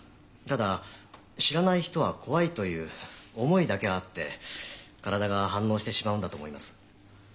ただ知らない人は怖いという思いだけがあって体が反応してしまうんだと思います。